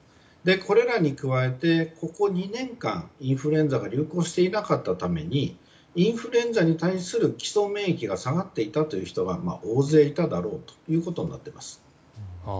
これらに加えてここ２年間、インフルエンザが流行していなかったためにインフルエンザに対する基礎免疫が下がっていたという人が大勢いただろうと思っています。